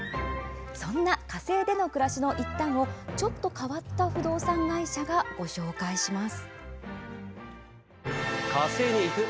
そんな火星での暮らしの一端をちょっと変わった不動産会社がご紹介します。